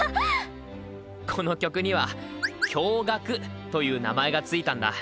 この曲には「驚がく」という名前が付いたんだ。